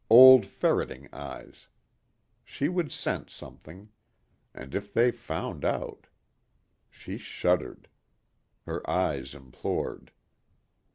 Old, ferreting eyes. She would sense something. And if they found out. She shuddered. Her eyes implored.